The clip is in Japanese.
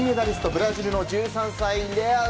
ブラジルの１３歳、レアウ。